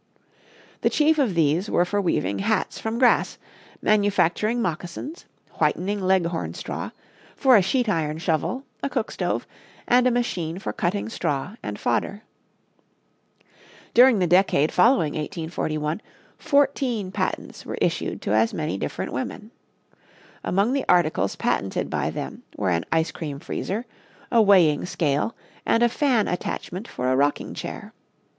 The chief of these were for weaving hats from grass, manufacturing moccasins, whitening leghorn straw, for a sheet iron shovel, a cook stove and a machine for cutting straw and fodder. During the decade following 1841, fourteen patents were issued to as many different women. Among the articles patented by them were an ice cream freezer, a weighing scale and a fan attachment for a rocking chair.